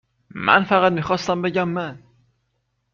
من فقط میخواستم بگم من